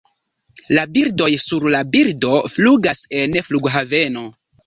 La birdoj, Sur la bildo, flugas en flughaveno.